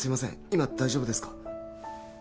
今大丈夫ですか？